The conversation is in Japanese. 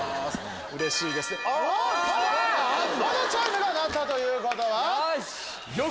このチャイムが鳴ったということは。